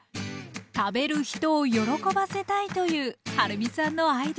「食べる人を喜ばせたい！」というはるみさんのアイデアです。